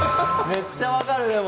めっちゃ分かる。